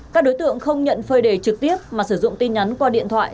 các đối tượng không nhận phơi đề trực tiếp mà sử dụng tin nhắn qua điện thoại